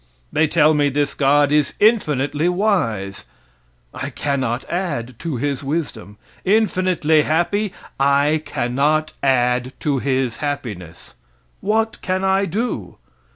They tell me this God is infinitely wise, I cannot add to his wisdom; infinitely happy I cannot add to his happiness. What can I do?